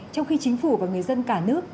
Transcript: trong khi chính phủ và người dân cả nước